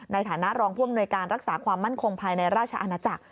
ในฐานะรองผู้อำนวยการรักษาความมั่นคงภายในราชอาณาจักร